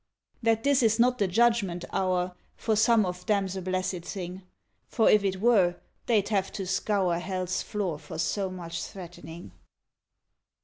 "That this is not the judgment hour For some of them's a blessed thing, For if it were they'd have to scour Hell's floor for so much threatening